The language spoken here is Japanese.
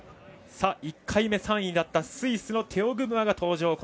１回目３位だったスイスのテオ・グムアが登場。